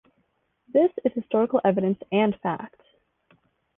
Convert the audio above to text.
This is historical evidence and fact.